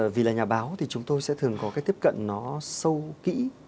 vì là nhà báo thì chúng tôi sẽ thường có cái tiếp cận nó sâu kỹ